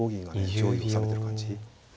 上位を収めてる感じ。